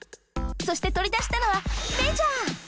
そしてとりだしたのはメジャー！